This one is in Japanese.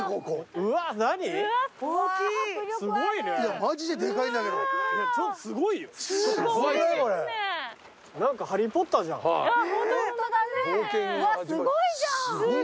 うわすごいじゃん！